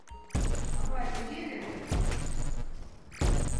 Авай, тыге вет?